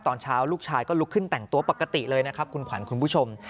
ตอนเช้าลูกชายก็ลุกขึ้นแต่งตัวปกติเลยนะครับคุณขวัญคุณผู้ชม